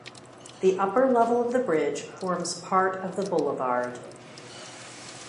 The upper level of the bridge forms part of the Boulevard.